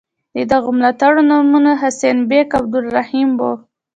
د دغو ملاتړو نومونه حسین بېګ او عبدالرحیم وو.